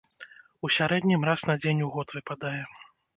У сярэднім раз на дзень у год выпадае.